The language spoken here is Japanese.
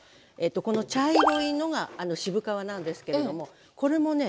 この茶色いのが渋皮なんですけれどもこれもね